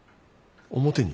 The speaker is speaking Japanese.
表に？